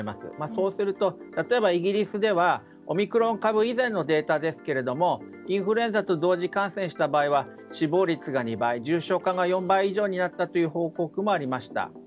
そうすると例えば、イギリスではオミクロン株以前のデータですがインフルエンザと同時感染した場合は死亡率が２倍重症化が４倍以上になったという報告もありました。